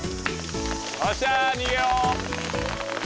よっしゃ逃げよう！